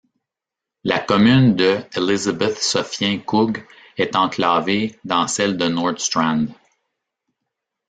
La commune de Elisabeth-Sophien-Koog est enclavée dans celle de Nordstrand.